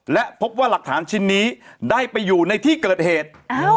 และพบว่าหลักฐานชิ้นนี้ได้ไปอยู่ในที่เกิดเหตุ